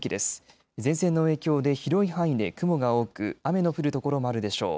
前線の影響で広い範囲で雲が多く雨の降る所もあるでしょう。